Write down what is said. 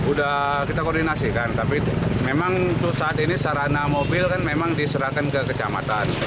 udah kita koordinasikan tapi memang untuk saat ini sarana mobil kan memang diserahkan ke kecamatan